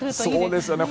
そうですよね。